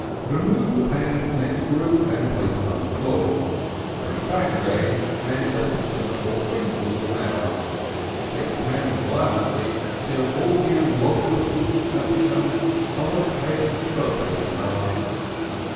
Remove the pan into the next room, and place it on the floor. Bring it back again, and let it simmer for three quarters of an hour. Shake the pan violently till all the Amblongusses have become of a pale purple color.